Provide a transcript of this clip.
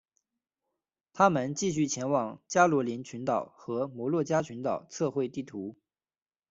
他们继续前往加罗林群岛和摩鹿加群岛测绘地图。